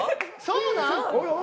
そうなん？